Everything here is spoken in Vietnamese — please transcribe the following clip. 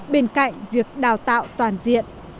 bên cạnh việc đào tạo toàn diện